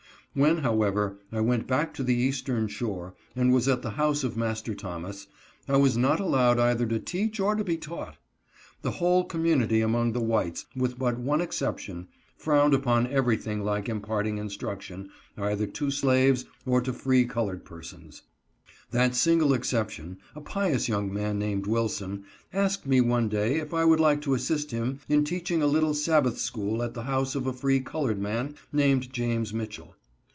When, however, I went back to the eastern shore and was at the house of Master Thomas, I was not allowed either to teach or to be taught. The whole com munity among the whites, with but one single exception, frowned upon everything like imparting instruction, either to slaves or to free colored persons. That single excep tion, a pious young man named Wilson, asked me one day if I would like to assist him in teaching a little Sab bath school at the house of a free colored man named James Mitchell.